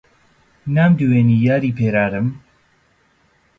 نامدوێنێ یاری پێرارم